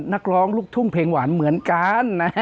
นักร้องลูกทุ่งเพลงหวานเหมือนกันนะฮะ